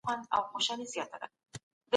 انلاين کتابونه علم ترلاسه آسانه کوي.